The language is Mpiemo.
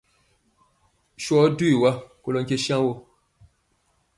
Sɔɔ jwi wa kolɔ nkye saŋ wɔ.